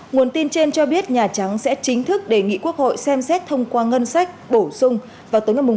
nguồn tin trên cho biết nhà trắng sẽ chính thức đề nghị quốc hội xem xét thông qua ngân sách bổ sung vào tối ba ba theo sở mỹ